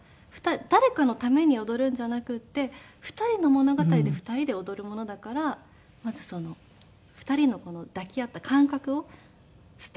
誰かのために踊るんじゃなくて２人の物語で２人で踊るものだからまず２人の抱き合った感覚をスタート。